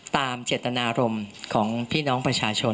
ตามเจตนารมณ์ของพี่น้องประชาชน